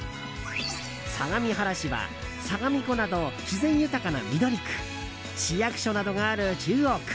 相模原市は相模湖など自然豊かな緑区市役所などがある中央区